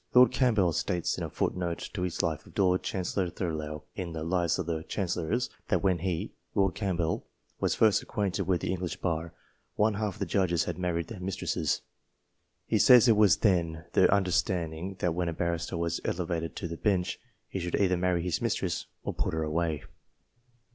Lord Campbell states in a foot note to his life of Lord Chancellor Thurlow, in his " Lives of the Chancellors," that when he (Lord Campbell) was first acquainted with the English Bar, one half of the judges had married their mistresses, He says it was then the 124 ENGLISH PEERAGES, understanding that when a barrister was elevated to the Bench, he should either marry his mistress, or put her away.